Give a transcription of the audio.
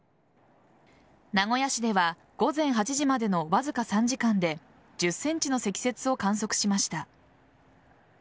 名古屋市では午前８時までのわずか３時間で１０ｃｍの積雪を観測しました。